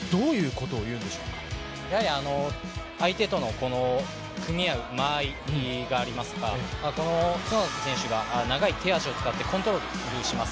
やはり相手との組み合う間合いがありますが、角田選手が長い手足を使ってコントロールします。